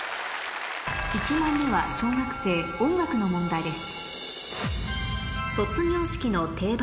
１問目は小学生音楽の問題です